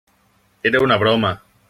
Era una broma.